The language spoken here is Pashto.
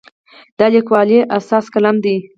د لیکوالي اساس قلم دی.